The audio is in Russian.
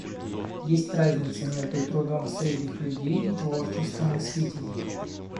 Есть разница между трудом средних людей и творчеством мыслителей.